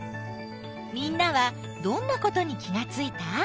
みんなはどんなことに気がついた？